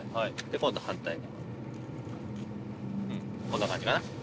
こんな感じかな？